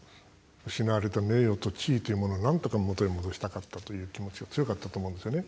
失われた名誉と地位というものをなんとか元に戻したかったという気持ちが強かったと思うんですよね。